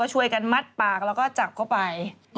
ช่วยกันมัดปากแล้วก็จับเข้าไป